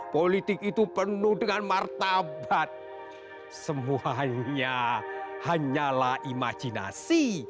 politik itu penuh dengan martabat semuanya hanyalah imajinasi